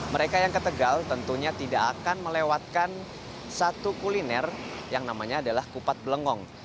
mereka yang ke tegal tentunya tidak akan melewatkan satu kuliner yang namanya adalah kupat belengong